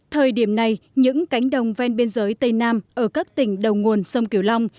thời điểm này những cánh đồng ven biên giới tây nam ở các tỉnh đầu nguồn sông kiều long